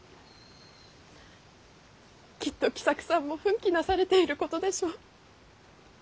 きっと喜作さんも奮起なされていることでしょう。